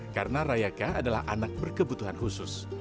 karena rayaka adalah anak berkebutuhan khusus